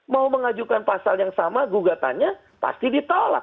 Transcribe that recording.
mau mengajukan pasal yang sama gugatannya pasti ditolak